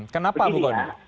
ternyata berbeda lah